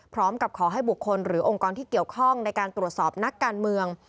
พร้อมกับขอให้บุคคลหรือองค์กรที่เกี่ยวข้องในการตรวจสอบนักการเมือง